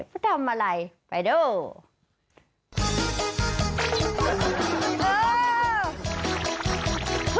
เพราะทำอะไรไปดู